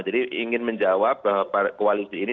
jadi ingin menjawab bahwa koalisi ini